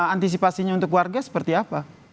antisipasinya untuk warga seperti apa